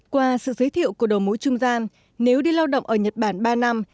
qua sự giới thiệu của đồng mũi trung gian nếu đi lao động ở nhật bản ba năm